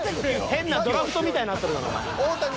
変なドラフトみたいになっとる。